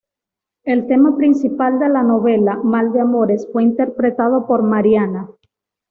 El tema principal de la novela, Mal de amores fue interpretado por Mariana.